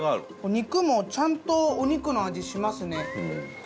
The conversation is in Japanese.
肉もちゃんとお肉の味しますね。